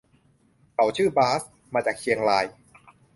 เขาชื่อบาส มาจากเชียงราย